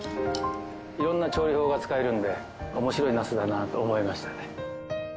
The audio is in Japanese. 色んな調理法が使えるんで面白いナスだなと思いましたね。